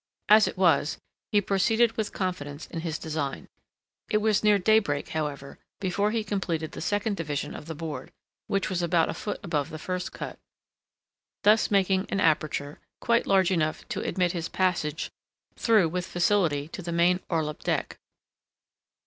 As it was, he proceeded with confidence in his design. It was near daybreak, however, before he completed the second division of the board (which was about a foot above the first cut), thus making an aperture quite large enough to admit his passage through with facility to the main orlop deck.